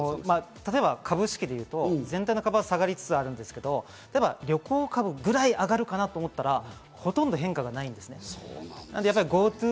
例えば株式でいうと全体の株は下がりつつあるんですけど、旅行株ぐらい上がるかなと思ったら、ほとんど変化がないんです。